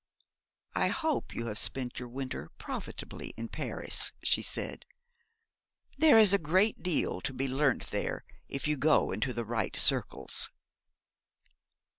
'I hope you have spent your winter profitably in Paris,' she said. 'There is a great deal to be learnt there if you go into the right circles.'